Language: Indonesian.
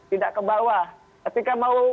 tidak ke bawah ketika mau